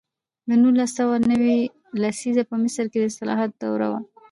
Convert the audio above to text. د نولس سوه نوي لسیزه په مصر کې د اصلاحاتو دوره وه.